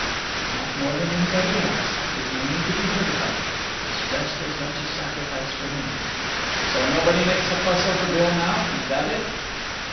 "Not more than anybody else. There's no need to be hurt about it. It's just as much a sacrifice for me." "So nobody makes a fuss over Bill now—is that it?"